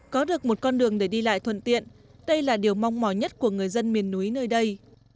có được một con đường để đi lại thuận tiện đây là điều mong mỏi nhất của người dân miền núi nơi đây